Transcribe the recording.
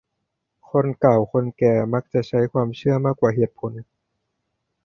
คนเก่าคนแก่มักจะใช้ความเชื่อมากกว่าเหตุผล